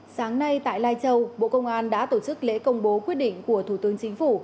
sáng nay tại lai châu bộ công an đã tổ chức lễ công bố quyết định của thủ tướng chính phủ